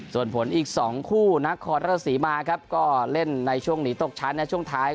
ส่วนผลอีก๒คู่นะฮรสมมติมาแล้วก็เล่นในช่วงหนีตกชั้น